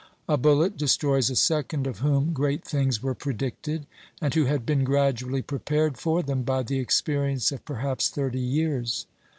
A bullet destroys a second of whom great things were predicted, and who had been gradually prepared for them by the experience of perhaps thirty years.